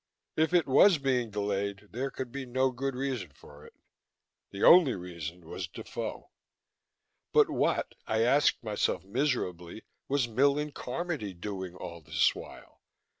If it was being delayed, there could be no good reason for it. The only reason was Defoe. But what, I asked myself miserably, was Millen Carmody doing all this while?